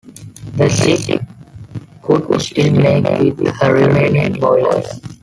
The ship could still make with her remaining boilers.